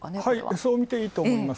そう見ていいと思います。